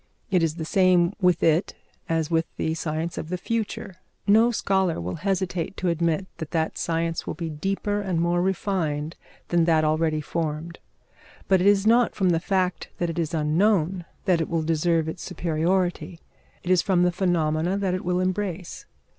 It is the same with it as with the science of the future. No scholar will hesitate to admit that that science will be deeper and more refined than that already formed. But it is not from the fact that it is unknown that it will deserve its superiority: it is from the phenomena that it will embrace.